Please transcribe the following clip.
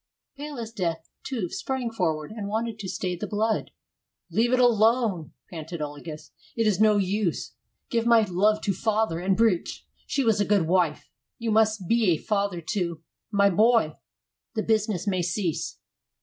Pale as death, Tuve sprang forward, and wanted to stay the blood. "Leave it alone," panted Olagus. "It is no use. Give my love to father and Britje; she was a good wife. You must be a father to my boy. The business may cease."